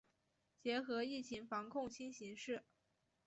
结合疫情防控新形势